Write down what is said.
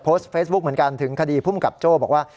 โพสต์เฟซบุ๊คเหมือนกันถึงคดีภูมิกับโจ้บอกว่า